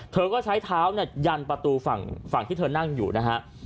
เธอก็ใช้เท้าเนี่ยยันประตูฝั่งที่เธอนั่งอยู่นะฮะ